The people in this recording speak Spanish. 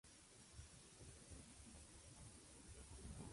Al concluir la temporada, finalizaron en el quinto puesto del campeonato.